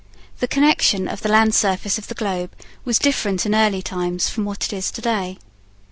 The connection of the land surface of the globe was different in early times from what it is to day.